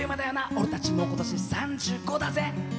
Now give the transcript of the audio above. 俺たちもう今年で３５だぜ。